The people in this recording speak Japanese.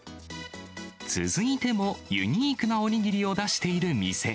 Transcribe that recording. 続いても、ユニークなお握りを出している店。